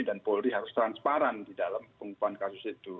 dan polri harus transparan di dalam pengumpulan kasus itu